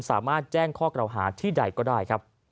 สามารถแจ้งข้อกล่าวหาที่ใดก็ได้ครับ